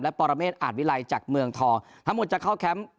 และปอลเมศอาจวิไลจากเมืองทองทั้งหมดจะเข้าแค้ม